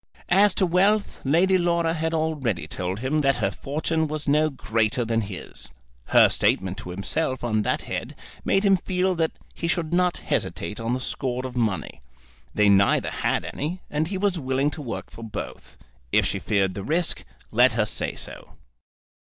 As to wealth, Lady Laura had already told him that her fortune was no greater than his. Her statement to himself on that head made him feel that he should not hesitate on the score of money. They neither had any, and he was willing to work for both. If she feared the risk, let her say so.